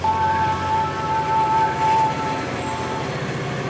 له ها ماښامه ستا نوم خولې ته راځــــــــي,